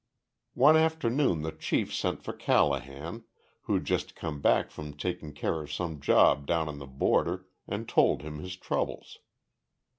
One afternoon the Chief sent for Callahan, who'd just come back from taking care of some job down on the border, and told him his troubles.